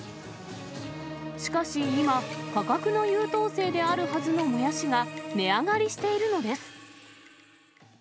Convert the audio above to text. しかし今、価格の優等生であるはずのもやしが、値上がりしているのです。